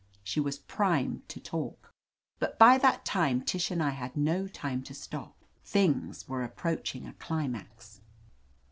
She was primed to talk, but by that time Tish and I had no time to stop. Things were approaching a dimax.